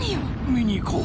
見に行こう。